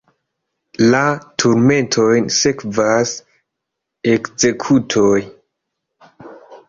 La turmentojn sekvas ekzekutoj.